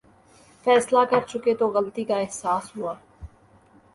فیصلہ کرچکے تو غلطی کا احساس ہوا۔